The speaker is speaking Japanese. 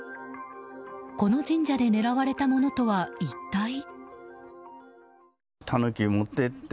この神社で狙われたものとは一体。